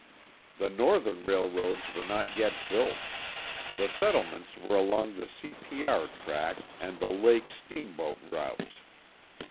The northern railroads were not yet built; the settlements were along the C. P. R. track and the lake steamboat routes.